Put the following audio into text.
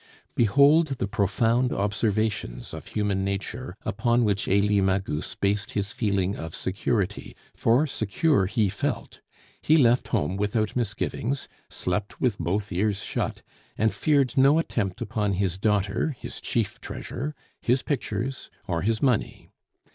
Behold the profound observations of human nature upon which Elie Magus based his feeling of security, for secure he felt; he left home without misgivings, slept with both ears shut, and feared no attempt upon his daughter (his chief treasure), his pictures, or his money.